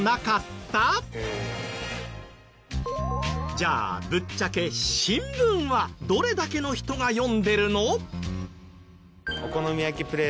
じゃあぶっちゃけ新聞はどれだけの人が読んでるの？